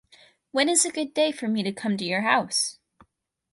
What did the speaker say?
When is a good day for me to come to your house?